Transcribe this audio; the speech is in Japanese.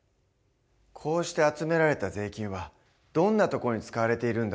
こうして集められた税金はどんなところに使われているんだろう？